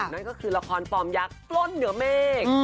นั่นก็คือละครฟอร์มยักษ์ปล้นเหนือเมฆ